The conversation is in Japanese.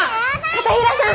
片平さん。